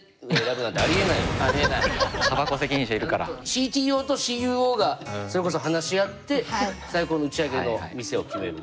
ＣＴＯとＣＵＯがそれこそ話し合って最高の打ち上げの店を決める。